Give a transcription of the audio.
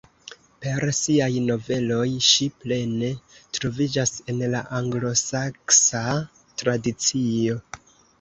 Per siaj noveloj ŝi plene troviĝas en la anglosaksa tradicio.